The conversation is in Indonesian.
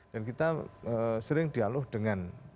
dan kita sering dialog dengan